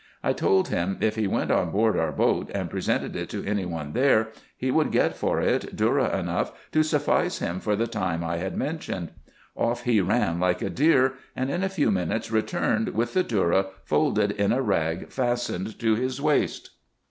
I told him, if he went on board our boat, and presented it to any one there, he would get for it dhourra enough to suffice him for the time I had mentioned. Off he ran like a deer, and in a few minutes returned with the dhourra folded in a rag fastened to his waist.